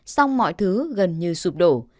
xong mọi thứ gần như sụp đổ